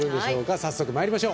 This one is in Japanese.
早速まいりましょう。